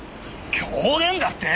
狂言だって！？